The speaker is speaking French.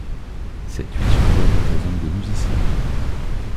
Cette huile sur toile représente des musiciens.